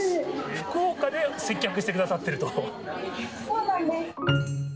福岡で接客してくださってるそうなんです。